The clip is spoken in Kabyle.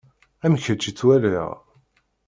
Am kečč i ttwaliɣ.